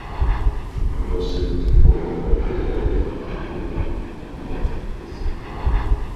Rosemont forma parte del área metropolitana de Sacramento.